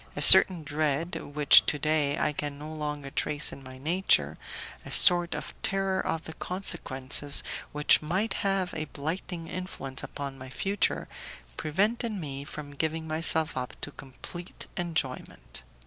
A certain dread which to day I can no longer trace in my nature, a sort of terror of the consequences which might have a blighting influence upon my future, prevented me from giving myself up to complete enjoyment.